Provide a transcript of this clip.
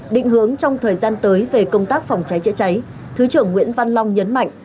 định hướng trong thời gian tới về công tác phòng cháy chữa cháy thứ trưởng nguyễn văn long nhấn mạnh